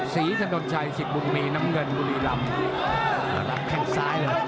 สีทะนุนไชสิกบุญมีน้ำเงินกุรีรัมแทงซ้ายเลย